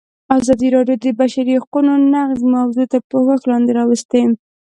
ازادي راډیو د د بشري حقونو نقض موضوع تر پوښښ لاندې راوستې.